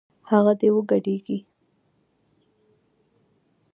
هغه دې وګډېږي